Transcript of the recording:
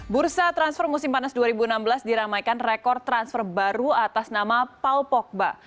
bursa transfer musim panas dua ribu enam belas diramaikan rekor transfer baru atas nama paul pogba